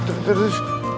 terus terus terus